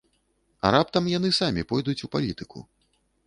А раптам яны самі пойдуць у палітыку?